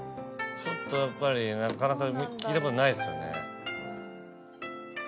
ちょっとやっぱりなかなか聞いたことないですよね。